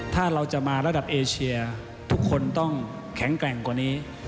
ถ้าเราจะมาระดับเอเชียทุกคนต้องแข็งแกร่งกว่านี้